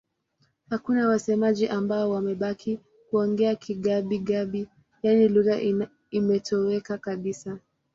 Hakuna wasemaji ambao wamebaki kuongea Kigabi-Gabi, yaani lugha imetoweka kabisa.